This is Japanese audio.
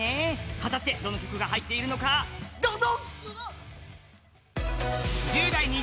果たしてどの曲が入っているのかどうぞ！